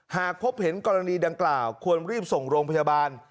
หากพบเห็นกรณีดังกล่าวควรรีบส่งโรงพยาบาล